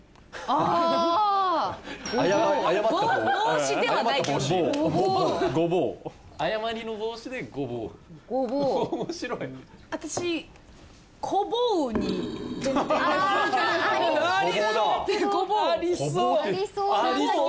ありそう！